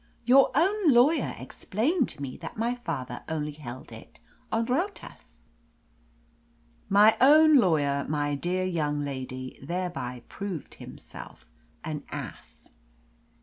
"Your own lawyer explained to me that my father only held it on 'rotas.'" "My own lawyer, my dear young lady, thereby proved himself an ass."